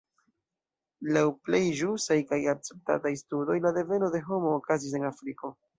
Laŭ plej ĵusaj kaj akceptataj studoj la deveno de homo okazis en Afriko.